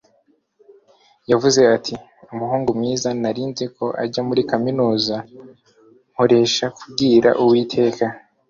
yavuze ati 'muhungu mwiza!' 'nari nzi ko azajya muri kaminuza. nkoresha kubwira uwiteka